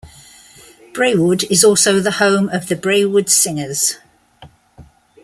Brewood is also the home of the Brewood Singers.